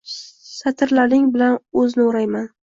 Satrlaring bilan o’zni o’rayman.